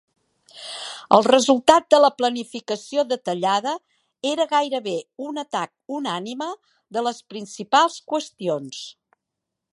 El resultat de la planificació detallada era gairebé un atac unànime de les principals qüestions.